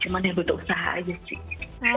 cuma ya butuh usaha aja sih